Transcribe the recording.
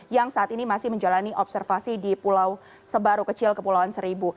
yang saat ini masih menjalani observasi di pulau sebaru kecil kepulauan seribu